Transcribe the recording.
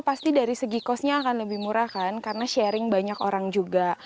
pasti dari segi costnya akan lebih murah kan karena sharing banyak orang juga